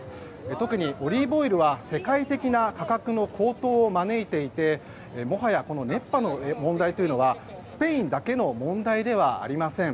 特にオリーブオイルは世界的な価格の高騰を招いていてもはや熱波の問題というのはスペインだけの問題ではありません。